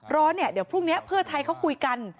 รอเดี๋ยวพรุ่งนี้เพื่อไทยเขาคุยกัน